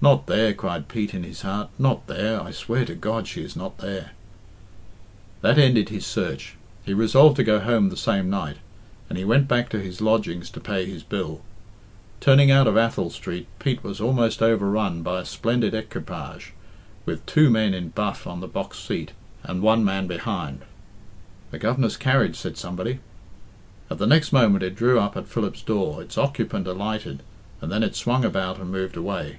"Not there!" cried Pete in his heart; "not there I swear to God she is not there." That ended his search. He resolved to go home the same night, and he went back to his lodgings to pay his bill. Turning out of Athol Street, Pete was almost overrun by a splendid equipage, with two men in buff on the box seat, and one man behind. "The Governor's carriage," said somebody. At the next moment it drew up at Philip's door, its occupant alighted, and then it swung about and moved away.